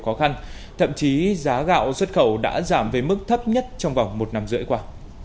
khó khăn thậm chí giá gạo xuất khẩu đã giảm về mức thấp nhất trong vòng một năm rưỡi qua